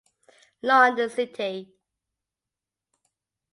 London City